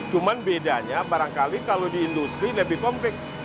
cuma bedanya barangkali kalau di industri lebih komplit